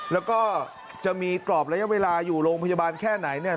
แล้วก็จะมีกรอบระยะเวลาอยู่โรงพยาบาลแค่ไหนเนี่ย